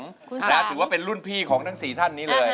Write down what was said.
ถือว่าเป็นรุ่นพี่ของทั้ง๔ท่านนี้เลย